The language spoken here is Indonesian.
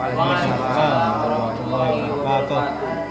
wa rahmatullahi wa barakatuh